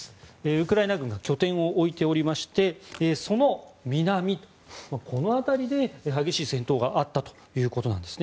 ウクライナ軍が拠点を置いていましてその南、この辺りで激しい戦闘があったということです。